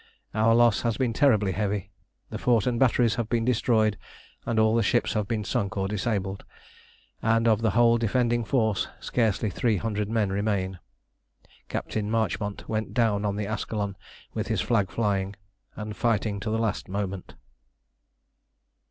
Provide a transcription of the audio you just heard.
Our loss has been terribly heavy. The fort and batteries have been destroyed, all the ships have been sunk or disabled, and of the whole defending force scarcely three hundred men remain. Captain Marchmont went down on the Ascalon with his flag flying, and fighting to the last moment.